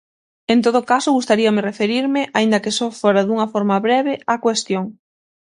En todo caso, gustaríame referirme, aínda que só fora dunha forma breve, á cuestión.